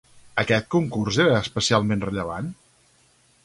Aquest concurs era especialment rellevant?